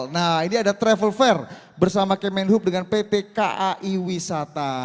nah ini ada travel fair bersama kemen hub dengan pp kai wisata